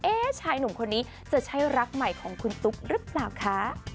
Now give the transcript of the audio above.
ชายหนุ่มคนนี้จะใช่รักใหม่ของคุณตุ๊กหรือเปล่าคะ